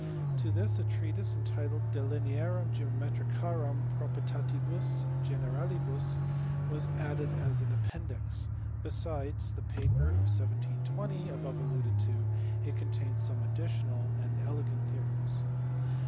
To this a treatise, entitled De Linearum Geomeiricarum Pro prietatibus Generalibus, was added as an appendix ; besides the paper of 1720 above alluded to, it contains some additional and elegant theorems.